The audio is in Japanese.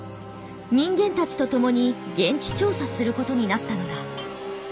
人間たちと共に現地調査することになったのだ。